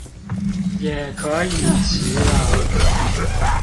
也可以騎了